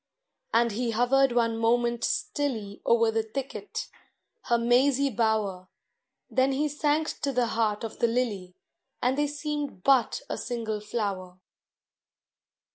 And he hovered one moment stilly O'er the thicket, her mazy bower, Then he sank to the heart of the lily, And they seemed but a single flower.